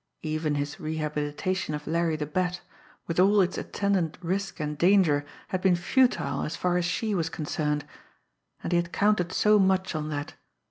Even his rehabilitation of Larry the Bat, with all its attendant risk and danger, had been futile as far as she was concerned. And he had counted so much on that!